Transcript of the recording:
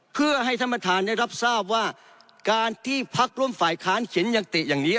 เพื่อให้ท่านประธานได้รับทราบว่าการที่พักร่วมฝ่ายค้านเขียนยัตติอย่างนี้